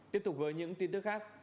tiếp tục với những tin tức khác